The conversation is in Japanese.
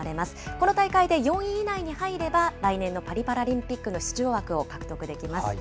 この大会で４位以内に入れば来年のパリパラリンピックの出場枠を獲得できます。